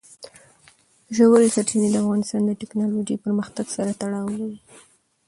ژورې سرچینې د افغانستان د تکنالوژۍ پرمختګ سره تړاو لري.